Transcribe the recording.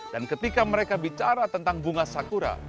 dan ketika mereka bicara tentang bunga sakura